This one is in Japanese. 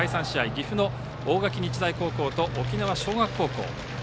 岐阜の大垣日大高校と沖縄尚学高校。